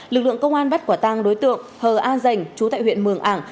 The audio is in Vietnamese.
lực lượng công an bắt quả tang đối tượng hờ a giành chú tại huyện mường ảng